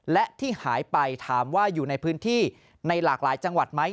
และที่หายไปถามว่าอยู่ในพื้นที่ในหลากหลายจังหวัดไหม